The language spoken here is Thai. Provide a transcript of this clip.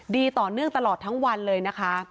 ดีต่อเนื่องตลอดทั้งวันเลยนะคะ